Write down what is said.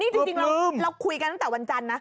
จริงเราคุยกันตั้งแต่วันจันทร์นะ